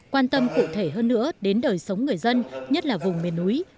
quan tâm cụ thể hơn nữa đến đời sống người dân nhất là vùng miền núi